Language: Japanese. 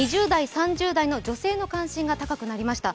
２０代、３０代の女性の関心が高くなりました。